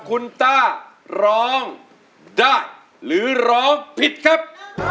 คุณต้าร้องได้หรือร้องผิดครับ